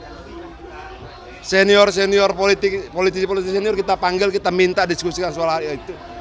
nah senior senior politik politisi politisi senior kita panggil kita minta diskusikan soal hal itu